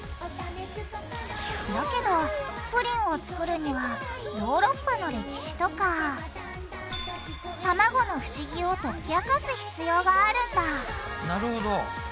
だけどプリンを作るにはヨーロッパの歴史とかたまごの不思議を解き明かす必要があるんだなるほど。